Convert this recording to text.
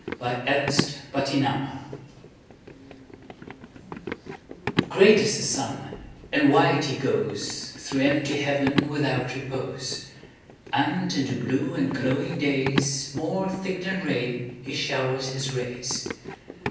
Summer Sun GREAT is the sun, and wide he goesThrough empty heaven without repose; And in the blue and glowing daysMore thick than rain he showers his rays.